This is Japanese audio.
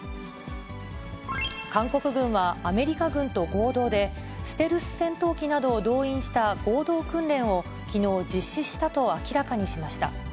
韓国軍は、アメリカ軍と合同で、ステルス戦闘機などを動員した合同訓練を、きのう実施したと明らかにしました。